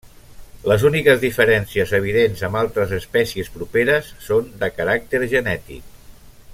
Les úniques diferències evidents amb altres espècies properes són de caràcter genètic.